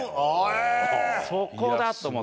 そこだ！と思って。